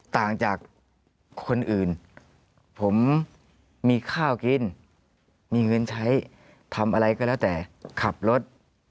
ต่างจากคนอื่นผมมีข้าวกินมีเงินใช้ทำอะไรก็แล้วแต่ขับรถ